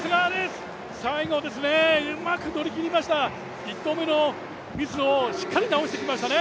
最後、うまく乗り切りました１投目のミスをしっかり直してきましたね！